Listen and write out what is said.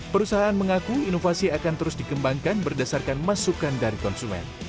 perusahaan mengaku inovasi akan terus dikembangkan berdasarkan masukan dari konsumen